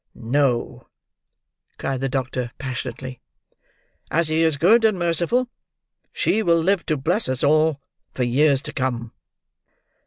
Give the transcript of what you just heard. "No!" cried the doctor, passionately. "As He is good and merciful, she will live to bless us all, for years to come."